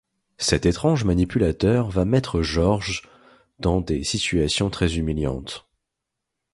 Cet étrange manipulateur va mettre Georges dans des situations très humiliantes...